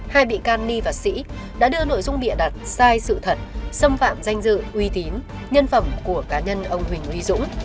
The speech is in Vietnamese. hai bị cáo hàn ni và trần văn sĩ đã đưa nội dung bịa đặt sai sự thật gây hoang mang trong nhân dân